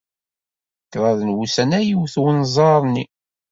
Kraḍ n wussan ay iwet unẓar-nni.